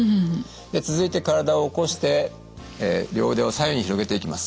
で続いて体を起こして両腕を左右に広げていきます。